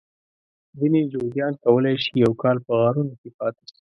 ځینې جوګیان کولای شي یو کال په غارونو کې پاته شي.